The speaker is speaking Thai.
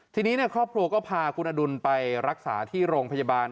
ทีนี้ครอบครัวก็พาคุณอดุลไปรักษาที่โรงพยาบาล